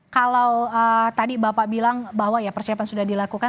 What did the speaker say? kalau tadi bapak bilang bahwa ya persiapan sudah dilakukan